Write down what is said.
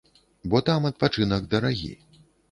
Бо там адпачынак дарагі.